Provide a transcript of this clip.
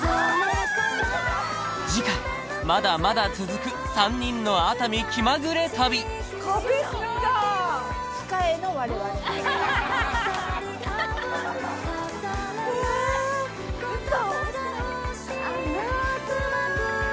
次回まだまだ続く３人の熱海気まぐれ旅控えの我々うわ嘘？